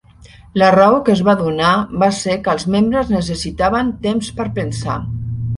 La raó que es va donar va ser que els membres necessitaven temps per pensar.